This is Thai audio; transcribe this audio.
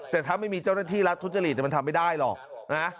แต่ถ้าไม่มีเจ้าหน้าที่รัฐทุจริตมันทำไม่ได้หรอกนะ